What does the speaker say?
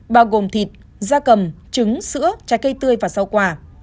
bao gồm thịt da cầm trứng sữa trái cây tươi và rau quả